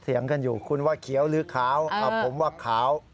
กันอยู่คุณว่าเขียวหรือขาวผมว่าขาว